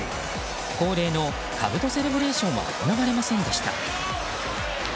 恒例のかぶとセレブレーションは行われませんでした。